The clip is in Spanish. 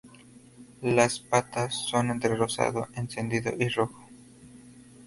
Las patas son entre rosado encendido y rojo.